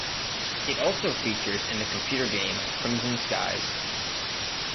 It also features in the computer game "Crimson Skies".